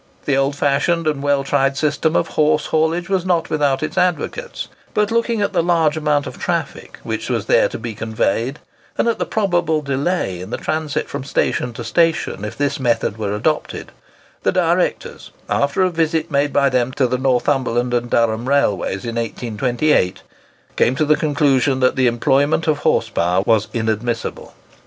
The old fashioned and well tried system of horse haulage was not without its advocates; but, looking at the large amount of traffic which there was to be conveyed, and at the probable delay in the transit from station to station if this method were adopted, the directors, after a visit made by them to the Northumberland and Durham railways in 1828, came to the conclusion that the employment of horse power was inadmissible.